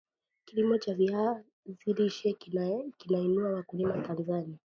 kilimo cha viazi lishe kinainua wakulima tanzania